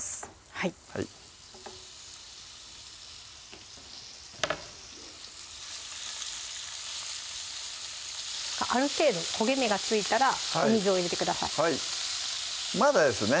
はいある程度焦げ目がついたらお水を入れてくださいはいまだですね